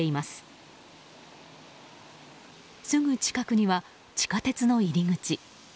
すぐ近くには地下鉄の入り口。